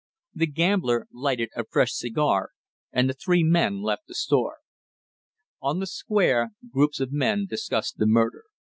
The gambler lighted a fresh cigar and the three men left the store. On the Square groups of men discussed the murder.